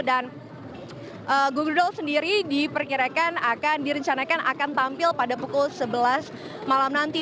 dan goo goo dolls sendiri diperkirakan akan direncanakan akan tampil pada pukul sebelas malam nanti